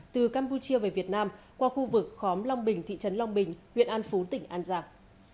từ campuchia về việt nam qua khu vực khóm long bình thị trấn long bình huyện an phú tỉnh an giang